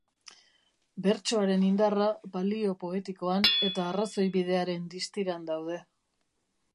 Bertsoaren indarra balio poetikoan eta arrazoibidearen distiran daude.